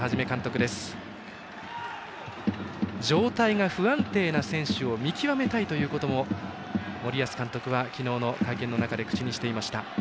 状態が不安定な選手を見極めたいということも森保監督は昨日の会見の中で口にしていました。